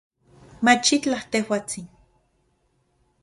Machitlaj, tejuatsin